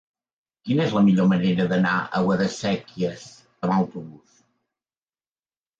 Quina és la millor manera d'anar a Guadasséquies amb autobús?